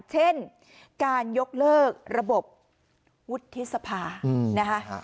เช่นการยกเลิกระบบวุฒิสภานะคะ